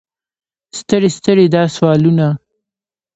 ستړي ستړي دا سوالونه.